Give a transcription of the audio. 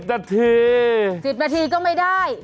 ๑๐นาทีก็ไม่ได้